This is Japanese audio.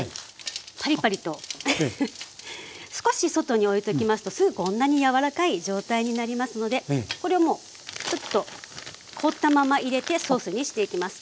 パリパリと少し外に置いときますとすぐこんなに柔らかい状態になりますのでこれをもうスッと凍ったまま入れてソースにしていきます。